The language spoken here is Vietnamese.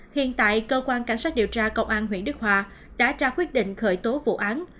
hiện tại cơ quan cảnh sát điều tra công an huyện đức hòa đã ra quyết định khởi tố vụ án